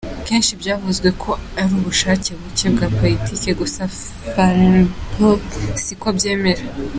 Kenshi byavuzwe ko ari ubushake buke bwa Politiki gusa Farenholtz siko abyemera.